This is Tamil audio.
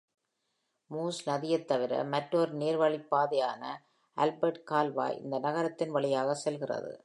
Meuse நதியைத் தவிர, மற்றொரு நீர்வழிப்பாதையான ஆல்பர்ட் கால்வாய் இந்த நகரத்தின் வழியாகச் செல்கிறது.